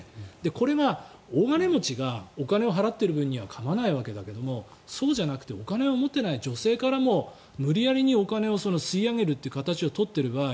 これが大金持ちがお金を払っている分には構わないわけだけどそうじゃなくてお金を持っていない女性からも無理矢理にお金を吸い上げるという形を取っている場合